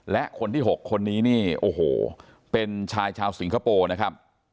และคนที่๖คนนี้เป็นชายชาวสิงคโปรนะครับ